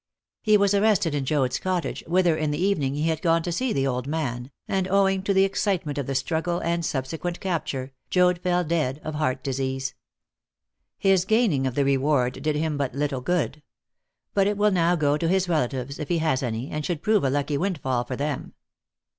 He was arrested in Joad's cottage, whither in the evening he had gone to see the old man, and owing to the excitement of the struggle and subsequent capture, Joad fell dead of heart disease. His gaining of the reward did him but little good. But it will now go to his relatives, if he has any, and should prove a lucky windfall for them."